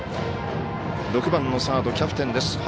６番サードキャプテンです。